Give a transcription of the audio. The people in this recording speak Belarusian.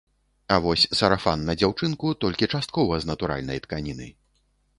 А вось сарафан на дзяўчынку толькі часткова з натуральнай тканіны.